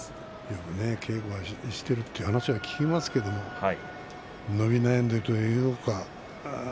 よく稽古しているという話は聞きますけれども伸び悩んでいるというか